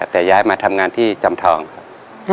แต่ย้ายมาทำงานที่จอมทองครับ